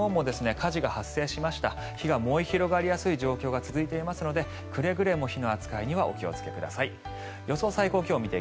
火が燃え広がりやすい状況が続いていますのでくれぐれも火の扱いにはお気をつけください。